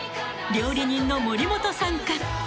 ［料理人の森本さんか？］